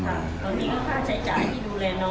สวัสดีครับ